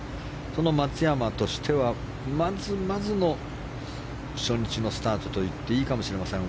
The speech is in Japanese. その松山としては、まずまずの初日のスタートといっていいかもしれません。